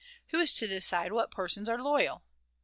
Who is to decide what persons are "loyal"?